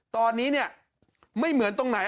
ตอนนี้เนี่ยไม่เหมือนตรงไหน